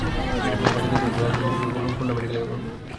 পরে লাশ দুটি ময়নাতদন্তের জন্য খুলনা মেডিকেল কলেজ হাসপাতালে পাঠানো হয়।